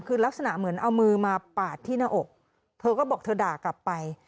คือลักษณะเหมือนเอามือมาปาดที่หน้าอกเธอก็บอกเธอด่ากลับไป